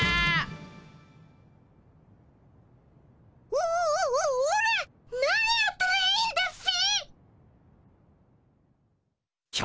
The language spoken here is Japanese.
オオオラ何やったらいいんだっピ？